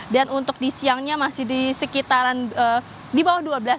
dan untuk di siangnya masih di sekitaran di bawah dua belas